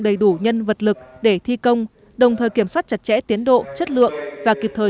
đầy đủ nhân vật lực để thi công đồng thời kiểm soát chặt chẽ tiến độ chất lượng và kịp thời